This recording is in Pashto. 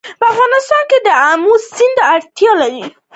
په افغانستان کې د آمو سیند د اړتیاوو پوره کولو لپاره اقدامات کېږي.